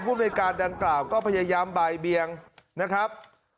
ในการดังกล่าวก็พยายามบ่ายเบียงนะครับ